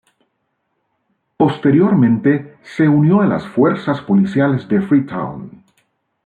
Posteriormente, se unió a las fuerzas policiales de Freetown.